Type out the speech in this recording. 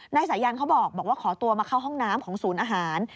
นายสายันเขาบอกว่าขอตัวมาเข้าห้องน้ำของศูนย์อาหาร